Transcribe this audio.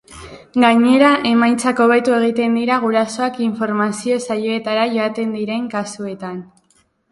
Gainera, emaitzak hobetu egiten dira gurasoak informazio saioetara joaten diren kasuetan.